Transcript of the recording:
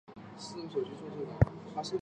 七十五年台大聘为荣誉教授。